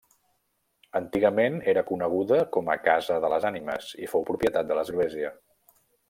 Antigament era coneguda com a Casa de les Ànimes i fou propietat de l'església.